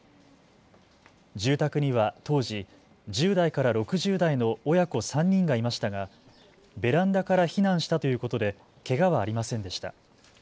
住宅には当時、１０代から６０代の親子３人がいましたがベランダから避難したということでけがはありませんでした。